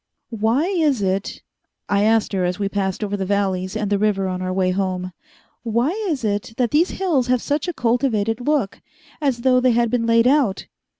"Why is it," I asked her as we passed over the valleys and the river on our way home, "why is it that these hills have such a cultivated look as though they had been laid out?"